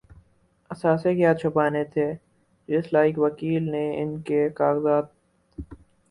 اثاثے کیا چھپانے تھے‘ جس لائق وکیل نے ان کے کاغذات